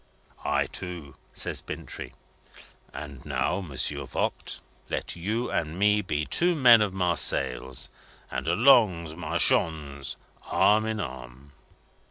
'" "I, too!" says Bintrey. "And now, Monsieur Voigt, let you and me be two men of Marseilles, and allons, marchons, arm in arm!"